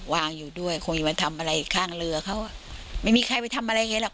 วางอยู่ด้วยคงจะมาทำอะไรข้างเรือเขาไม่มีใครไปทำอะไรไงหรอก